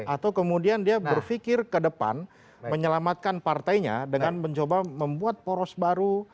atau kemudian dia berpikir ke depan menyelamatkan partainya dengan mencoba membuat poros baru